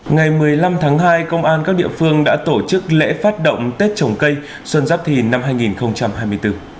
ngày một mươi năm tháng hai công an các địa phương đã tổ chức lễ phát động tết trồng cây xuân giáp thìn năm hai nghìn hai mươi bốn